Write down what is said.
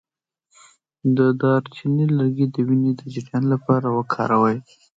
د دارچینی لرګی د وینې د جریان لپاره وکاروئ